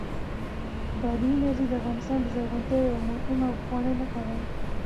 بادي انرژي د افغانستان د زرغونتیا یوه مهمه او پخوانۍ نښه ده.